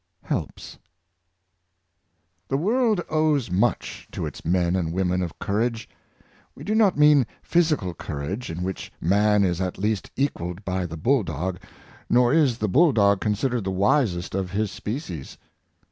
— Helps. HE world owes much to its men and women of courage. We do not mean physical courage, in which man is at least equalled by the bull dog; nor is the bull dog considered the wisest of his species.